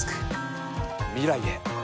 未来へ。